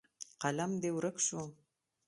قلم دې ورک شو.